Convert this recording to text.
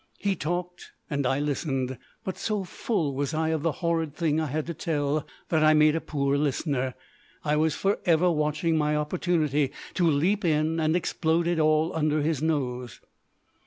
He talked and I listened. But, so full was I of the horrid thing I had to tell, that I made a poor listener. I was for ever watching my opportunity to leap in and explode it all under his nose.